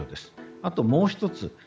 あと、もう１つ。